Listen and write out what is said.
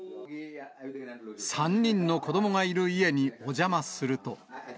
３人の子どもがいる家にお邪魔すると。